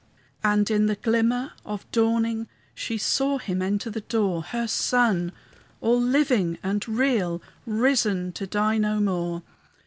And in the glimmer of dawning, She saw him enter the door, Her Son, all living and real, Risen, to die no more!